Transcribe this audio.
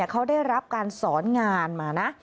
เขาได้รับการสอนงานมานะ